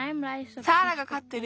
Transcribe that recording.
サーラがかってる